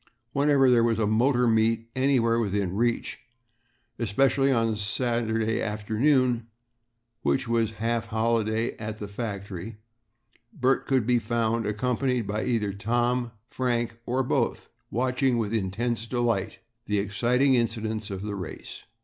Whenever there was a motor meet anywhere within reach, especially on Saturday afternoon, which was a half holiday at the factory, Bert could be found, accompanied by either Tom or Frank, or both, watching with intense delight the exciting incidents of the race.